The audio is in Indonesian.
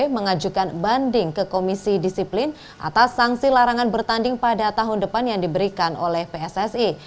mengajukan banding ke komisi disiplin atas sanksi larangan bertanding pada tahun depan yang diberikan oleh pssi